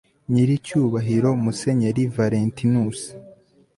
nyiricyubahiro musenyeri valentinus